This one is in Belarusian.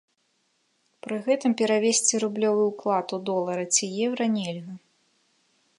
Пры гэтым перавесці рублёвы ўклад у долары ці еўра нельга.